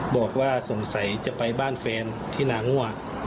บอกว่าสงสัยจะไปบ้านแฟนที่นางั่ว